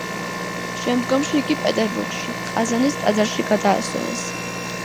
შემდგომში იგი პეტერბურგში, ყაზანის ტაძარში გადაასვენეს.